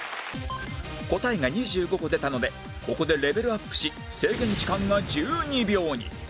答えが２５個出たのでここでレベルアップし制限時間が１２秒に